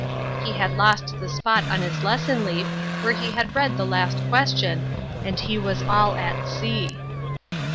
He had lost the spot on his lesson leaf where he had read the last question, and he was all at sea.